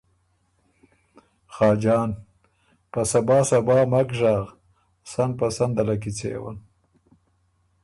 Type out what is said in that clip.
خاجان ـــ په صبا صبا مک ژغ، سن په سن ده له کیڅېون